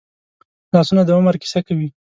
لاسونه د عمر کیسه کوي